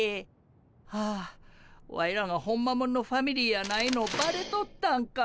はあワイらがホンマもんのファミリーやないのバレとったんか。